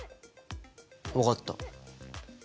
分かった。